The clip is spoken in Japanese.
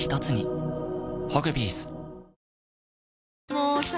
もうさ